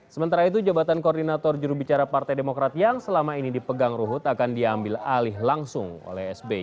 sementara itu jabatan koordinator jurubicara partai demokrat yang selama ini dipegang ruhut akan diambil alih langsung oleh sby